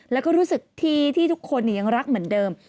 แล้วก็รู้สึกที่ทุกคนยังรักเหมือนเดิม